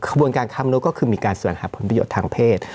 ขบวนการค้ามนุษย์ก็คือมีการแสวงหาผลประโยชน์ทางเพศ